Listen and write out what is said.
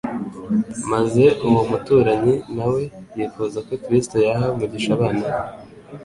maze uwo muturanyi na we yifuza ko Kristo yaha umugisha abana be.